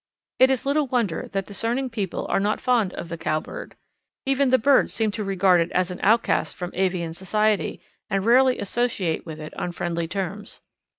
It is little wonder that discerning people are not fond of the Cowbird. Even the birds seem to regard it as an outcast from avian society, and rarely associate with it on friendly terms.